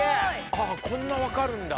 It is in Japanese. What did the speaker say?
あっこんな分かるんだ。